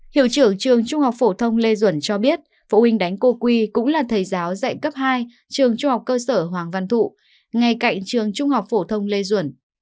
hiệu trưởng trường trung học phổ thông lê duẩn cho biết phụ huynh đánh cô quy cũng là thầy giáo dạy cấp hai trường trung học cơ sở hoàng văn thụ ngay cạnh trường trung học phổ thông lê duẩn